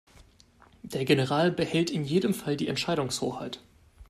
Der General behält in jedem Fall die Entscheidungshoheit.